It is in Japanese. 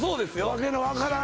ワケの分からん